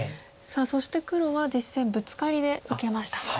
そして黒は実戦ブツカリで受けました。